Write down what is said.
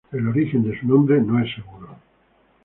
El origen de su nombre no es seguro.